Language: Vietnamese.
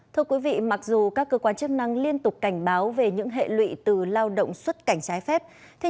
thưa quý vị mặc dù các cơ quan chức năng liên tục cảnh báo về những hệ lụy từ lao động xuất cảnh trái phép